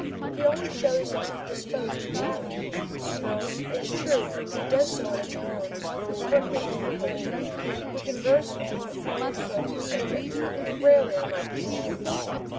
He always shows himself disposed to chat with me, though, it is true, he does so in a tone of impertinent frivolity. We converse upon all sorts of subjects, but rarely of my position.